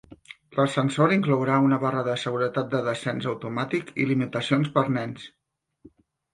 L'ascensor inclourà una barra de seguretat de descens automàtic i limitacions per a nens.